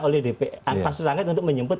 oleh dpr pansu sangkat untuk menjemput